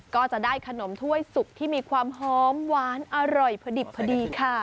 ก็จะได้ขนมถ้วยสุกที่มีความหอมหวานอร่อยพอดิบพอดีค่ะ